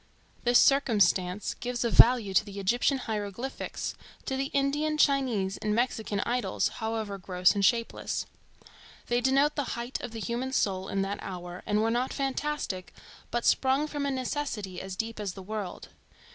This circumstance gives a value to the Egyptian hieroglyphics, to the Indian, Chinese and Mexican idols, however gross and shapeless. They denote the height of the human soul in that hour, and were not fantastic, but sprung from a necessity as deep as the world.